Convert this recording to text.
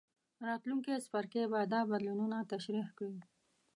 راتلونکی څپرکی به دا بدلونونه تشریح کړي.